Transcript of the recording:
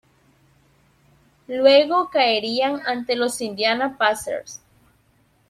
Luego caerían ante los Indiana Pacers.